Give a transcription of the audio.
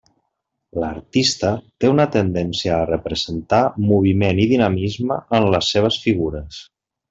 L’artista té una tendència a representar moviment i dinamisme en les seves figures.